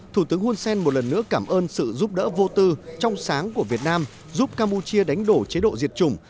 thủ tướng hun sen một lần nữa cảm ơn sự giúp đỡ vô tư trong sáng của việt nam giúp campuchia đánh đổ chế độ diệt chủng